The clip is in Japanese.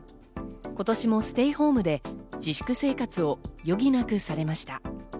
今年もステイホームで自粛生活を余儀なくされました。